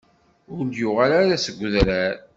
Ur d-yuɣal ara seg udrar.